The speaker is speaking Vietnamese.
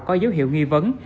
có dấu hiệu nghi vấn